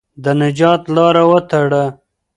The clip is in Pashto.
د نجات لاره وتړه.